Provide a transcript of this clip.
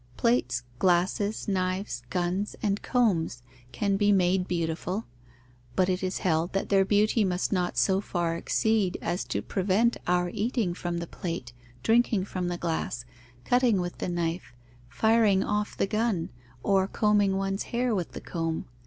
Plates, glasses, knives, guns, and combs can be made beautiful; but it is held that their beauty must not so far exceed as to prevent our eating from the plate, drinking from the glass, cutting with the knife, firing off the gun, or combing one's hair with the comb.